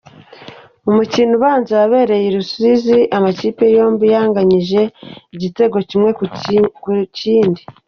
Umukino ubanza wabereye i Rusizi, amakipe yombi yanganyije igitego kimwe kuri kimwe.